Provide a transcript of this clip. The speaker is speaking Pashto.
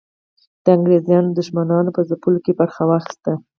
د انګریزانو دښمنانو په ځپلو کې برخه واخیسته.